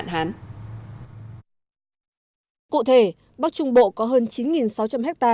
cụ thể bắc trung bộ có hơn chín sáu trăm linh ha